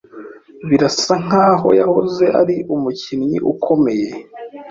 Birasa nkaho yahoze ari umukinnyi ukomeye.